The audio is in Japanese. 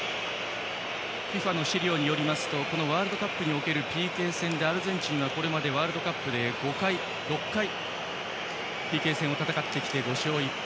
ＦＩＦＡの資料によればワールドカップにおけるＰＫ戦でアルゼンチンはこれまでワールドカップで６回ＰＫ戦を戦ってきて、５勝１敗。